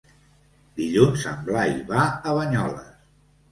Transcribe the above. Dilluns en Blai va a Banyoles.